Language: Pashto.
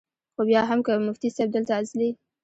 خو بیا هم کۀ مفتي صېب دلته ازلي ،